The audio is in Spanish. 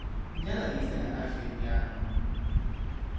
ya lo dice el adagio indiano: